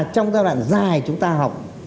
trong giai đoạn dài chúng ta học